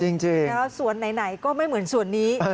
จริงส่วนไหนก็ไม่เหมือนสวนนี้